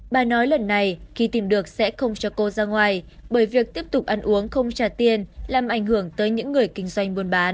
bà nói lần này khi tìm được sẽ không cho cô ra ngoài bởi việc tiếp tục ăn uống không trả tiền làm ảnh hưởng tới những người kinh doanh buôn bán